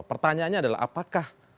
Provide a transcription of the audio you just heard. pertanyaannya adalah apakah